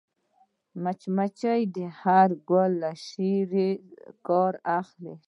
مچمچۍ د هر ګل له شيرې کار اخلي